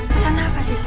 pesan apa sih